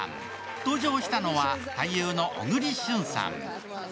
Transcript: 登場したのは俳優の小栗旬さん。